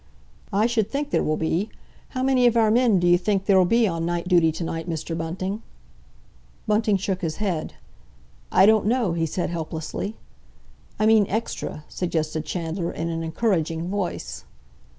"I should think there will be! How many of our men d'you think there'll be on night duty to night, Mr. Bunting?" Bunting shook his head. "I don't know," he said helplessly. "I mean extra," suggested Chandler, in an encouraging voice.